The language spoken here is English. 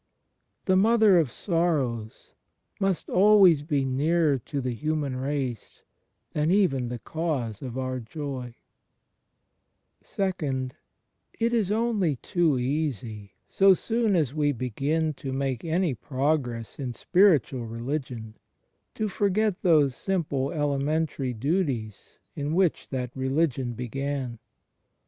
The "Mother of Sorrows" must always be nearer to the human race than even the "Cause of our Joy/* (ii) It is only too easy, so soon as we begin to make any progress in spiritual religion, to forget those simple 10 130 THE FRIENDSHIP OF /CHSIST elementary duties in which that religion began.